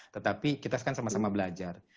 tetapi kita kan sama sama belajar